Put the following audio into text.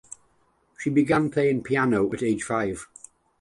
She began playing piano at age five.